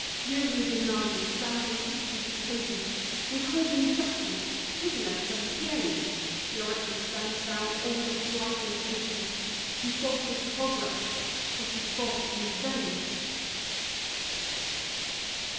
You who deny it stand in history's pages Withholding justice! Pitiless and plain Your record stands down all the brightening ages You fought with progress, but you fought in vain.